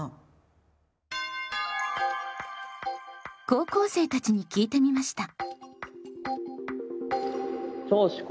高校生たちに聞いてみました。